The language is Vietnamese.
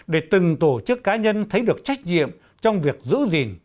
để từng tổ chức cá nhân thấy được trách nhiệm trong việc giữ gìn